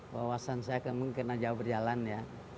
wawasan saya kemungkinan jauh berjalan ya